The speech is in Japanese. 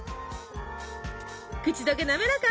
口溶けなめらか。